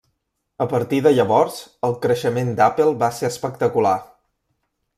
A partir de llavors el creixement d'Apple va ser espectacular.